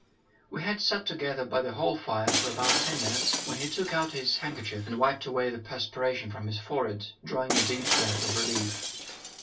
We had sat together by the hall fire for about ten minutes, when he took out his handkerchief, and wiped away the perspiration from his forehead, drawing a deep breath of relief.